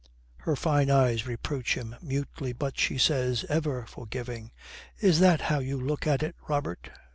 Her fine eyes reproach him mutely, but she says, ever forgiving, 'Is that how you look at it, Robert?